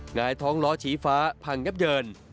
หงายท้องล้อชี้ฟ้าพังยับเยิน